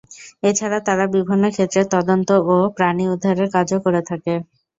এছাড়া তারা বিভিন্ন ক্ষেত্রে তদন্ত ও প্রাণী উদ্ধারের কাজও করে থাকে।